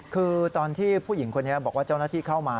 คือตอนที่ผู้หญิงคนนี้บอกว่าเจ้าหน้าที่เข้ามา